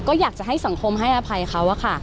ก็อยากจะให้สังคมให้อภัยเขาอะค่ะ